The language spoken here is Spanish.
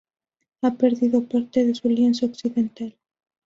Ha perdido parte de su lienzo occidental.